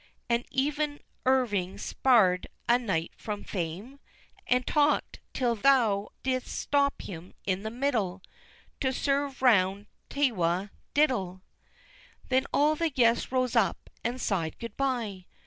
And even Irving spar'd a night from fame, And talk'd till thou didst stop him in the middle, To serve round Tewah diddle! VIII. Then all the guests rose up, and sighed good bye!